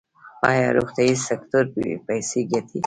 آیا روغتیايي سکتور پیسې ګټي؟